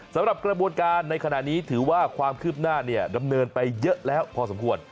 สำหรับกระบวนการในขณะนี้ถือว่าความคืบหน้าดำเนินไปเยอะแล้วพอสมควร